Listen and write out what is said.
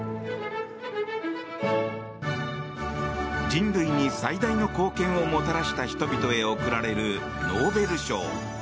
人類に最大の貢献をもたらした人々へ贈られるノーベル賞。